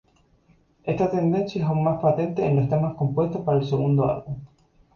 Esta tendencia es aún más patente en los temas compuestos para el segundo álbum.